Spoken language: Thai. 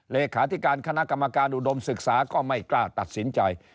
เลขาธิการคณะกรรมการอุดมศึกษาก็ไม่กล้าตัดสินใจ